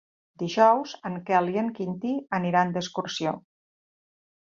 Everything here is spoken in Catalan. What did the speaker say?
Dijous en Quel i en Quintí aniran d'excursió.